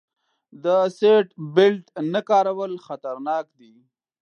د سیټ بیلټ نه کارول خطرناک دي.